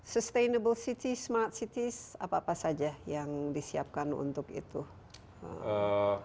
sustainable citi smart cities apa apa saja yang disiapkan untuk itu